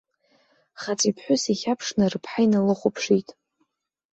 Хаҵеи ԥҳәыси хьаԥшны рыԥҳа иналыхәаԥшит.